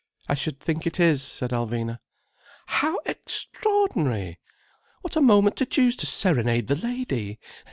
"I should think it is," said Alvina. "How extraordinary! What a moment to choose to serenade the lady!